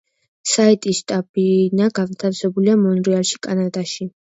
საიტის შტაბ-ბინა განთავსებულია მონრეალში, კანადაში.